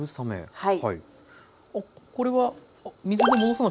はい。